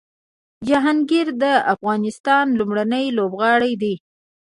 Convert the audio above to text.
جهانګیر د افغانستان لومړنی لوبغاړی دی